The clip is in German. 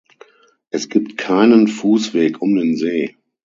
Es gibt keinen Fussweg um den See.